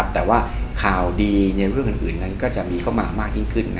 แต่ว่าข่าวดีในเรื่องอื่นนั้นก็จะมีเข้ามามากยิ่งขึ้น